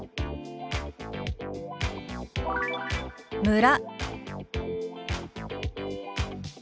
「村」。